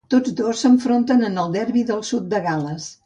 Tots dos s'enfronten en el Derby del Sud de Gal·les.